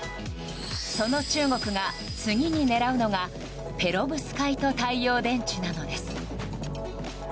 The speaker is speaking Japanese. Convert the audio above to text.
その中国が次に狙うのがペロブスカイト太陽電池なのです。